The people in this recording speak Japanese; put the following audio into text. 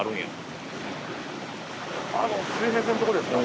あの水平線のとこですか？